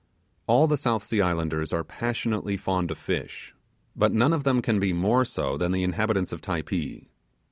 All the South Sea Islanders are passionately fond of fish; but none of them can be more so than the inhabitants of Typee.